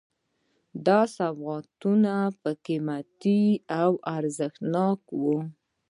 دا سوغاتونه به قیمتي او ارزښتناک وو.